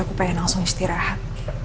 aku pengen langsung istirahat